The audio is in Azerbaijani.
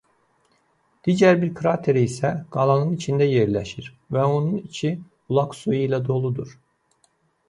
Digər bir krater isə qalanın içində yerləşir və onun içi bulaq suyu ilə doludur.